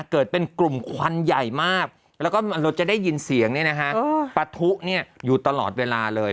เกิดเป็นกลุ่มควันใหญ่มากแล้วก็เราจะได้ยินเสียงปะทุอยู่ตลอดเวลาเลย